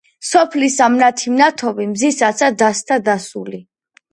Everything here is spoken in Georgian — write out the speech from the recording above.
სოფლისა მნათი მნათობი, მზისაცა დასთა დასული